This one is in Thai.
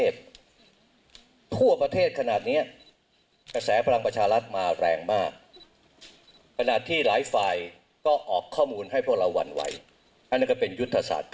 ส่วนที่ภักษ์พลังประชารัฐ